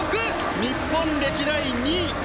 日本歴代２位。